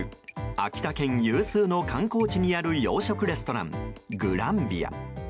秋田県有数の観光地にある洋食レストラン、グランビア。